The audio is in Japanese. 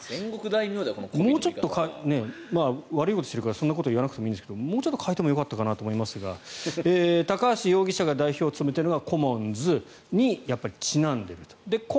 もうちょっと悪いことしているからそんなこと言わなくてもいいんですがもうちょっと変えてもよかったかなと思いますが高橋容疑者が代表を務めているコモンズにちなんでいると。